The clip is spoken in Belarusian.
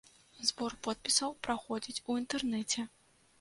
Збор подпісаў праходзіць у інтэрнэце.